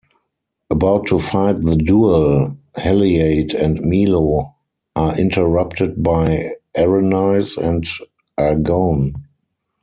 About to fight the duel, Haliate and Melo are interrupted by Erenice and Argone.